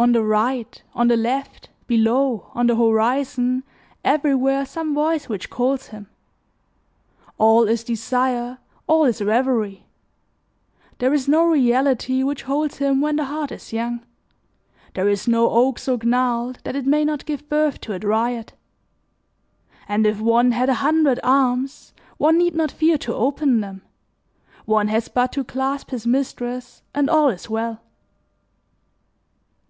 On the right, on the left, below, on the horizon, everywhere some voice which calls him. All is desire, all is reverie. There is no reality which holds him when the heart is young; there is no oak so gnarled that it may not give birth to a dryad; and if one had a hundred arms one need not fear to open them; one has but to clasp his mistress and all is well.